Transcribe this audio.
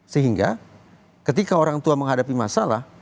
sehingga ketika orang tua menghadapi masalah